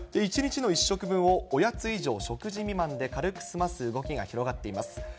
１日の１食分をおやつ以上食事未満で軽く済ます動きが広がっています。